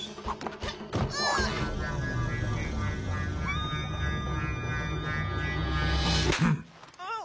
ああ！